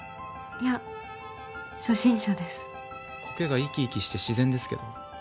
苔が生き生きして自然ですけど。